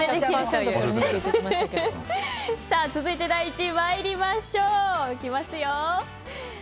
続いて第１位参りましょう。